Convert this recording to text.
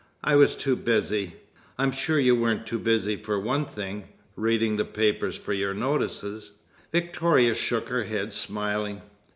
"I was too busy." "I'm sure you weren't too busy for one thing: reading the papers for your notices." Victoria shook her head, smiling.